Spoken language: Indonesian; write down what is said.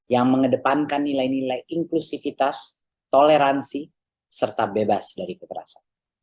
yang mengedepankan nilai nilai inklusivitas toleransi serta bebas dari kekerasan